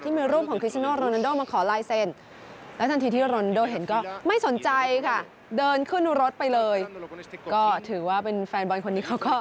ที่มีรูปของคริสติโน่โรนันโด่มาขอลายเซ็นต์